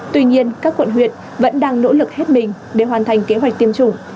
tuy nhiên các quận huyện vẫn đang nỗ lực hết mình để hoàn thành kế hoạch tiêm chủng